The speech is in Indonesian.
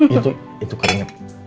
itu itu keringet